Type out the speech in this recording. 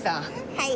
はい。